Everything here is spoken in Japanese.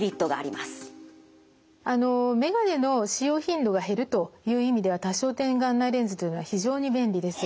あの眼鏡の使用頻度が減るという意味では多焦点眼内レンズというのは非常に便利です。